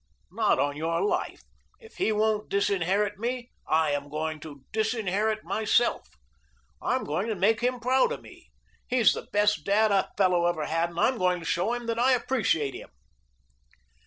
Not on your life! If he won't disinherit me, I am going to disinherit myself. I am going to make him proud of me. He's the best dad a fellow ever had, and I am going to show him that I appreciate him."